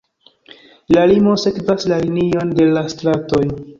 La limo sekvas la linion de la stratoj.